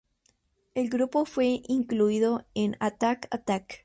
El grupo fue incluido en Attack Attack!